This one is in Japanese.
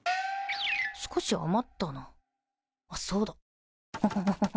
少し余ったなあっそうだ。